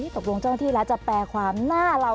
ตกลงเจ้าหน้าที่แล้วจะแปลความหน้าเรา